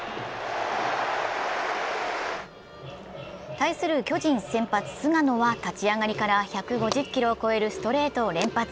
対する巨人先発・菅野は立ち上がりから１５０キロを超えるストレートを連発。